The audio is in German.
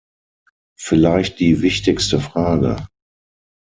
Vielleicht die wichtigste Frage.